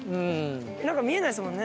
なんか見えないですもんね。